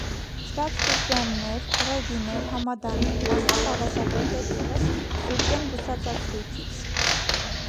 Շատ շրջաններ (ռեգիներ, համադաներ, մասամբ ավազակույտեր ևն) զուրկ են բուսածածկույթից։